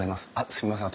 すみません